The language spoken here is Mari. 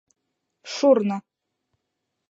Шурно